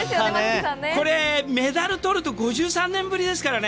これ、メダルとると５３年ぶりですからね。